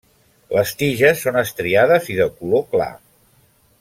Les tiges són estriades i de color clar.